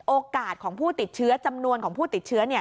โอกาสของผู้ติดเชื้อจำนวนของผู้ติดเชื้อ